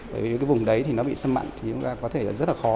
bởi vì cái vùng đấy thì nó bị xâm mặn thì chúng ta có thể rất là khó